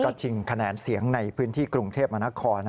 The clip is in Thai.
ก็ชิงคะแนนเสียงในพื้นที่กรุงเทพมนคร